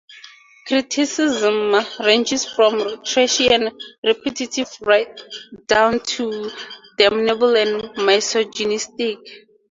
Criticism ranges from trashy and repetitive right down to damnable and misogynistic.